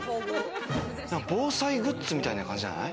防災グッズみたいな感じじゃない？